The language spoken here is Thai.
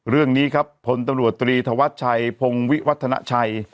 เรื่องนี้ครับพลตำรวจตรีธวัชชัยพงวิวัฒนาชัย